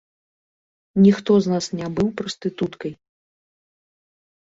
Ніхто з нас не быў прастытуткай!